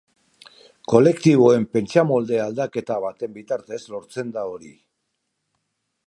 Kolektiboen pentsamolde aldaketa baten bitartez lortzen da hori.